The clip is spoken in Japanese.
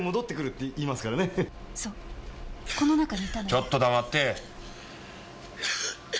ちょっと黙って！